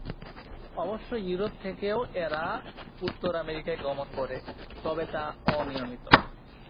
অবশ্য ইউরোপ থেকেও এরা উত্তর আমেরিকায় গমন করে, তবে তা অনিয়মিত।